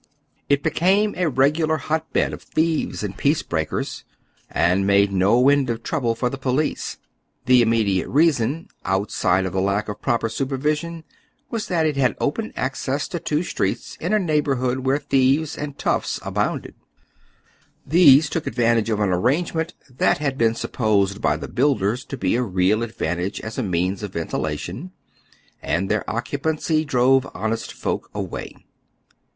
It became a regular hot bed of thieves and peace breakers, and made no end of trouble for the police. The immediate reason, outside of the lack of proper su pervision, was that it had open access to two streets in a neighborhood where thieves and "toughs" abounded. oy Google WHAT HAS BEEN DONE. 273 These took advantage o£ an arrangement that had been supposed by the builders to be a I'eal advantage as a means of ventilation, and their occupancy drove honest folk away.